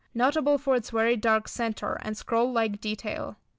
Notable for its very dark centre, and scroll like detail.